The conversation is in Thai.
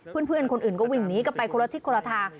เพื่อนคนอื่นก็วิ่งหนีกันไปคนละทิศคนละทาง